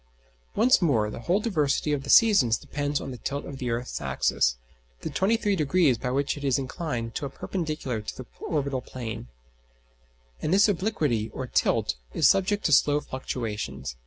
Once more, the whole diversity of the seasons depends on the tilt of the earth's axis, the 23° by which it is inclined to a perpendicular to the orbital plane; and this obliquity or tilt is subject to slow fluctuations.